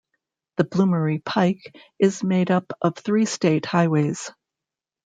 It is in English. The Bloomery Pike is made up of three state highways.